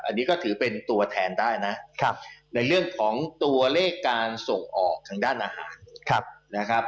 อันนี้ก็ถือเป็นตัวแทนได้นะในเรื่องของตัวเลขการส่งออกทางด้านอาหารนะครับ